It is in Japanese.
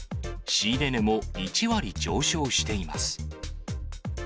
仕入れ値も１割上昇しています。